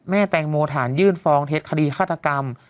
แตงโมฐานยื่นฟองเท็จคดีฆาตกรรม